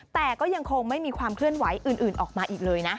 แต่ก็ยังคงไม่มีความเคลื่อนไหวอื่นออกมาอีกเลยนะ